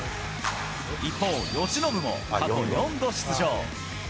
一方、由伸も過去４度出場。